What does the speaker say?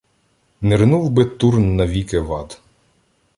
Нирнув би Турн навіки в ад!